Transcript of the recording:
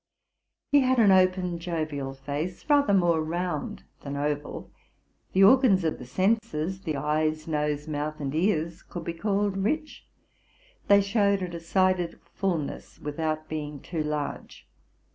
He had an open, jovial face, rather more round than oval: the organs of the senses, the eyes, nose, mouth, and ears, could be called rich ; they showed a decided fulness, without being too large.